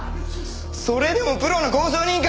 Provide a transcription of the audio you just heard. それでもプロの交渉人か！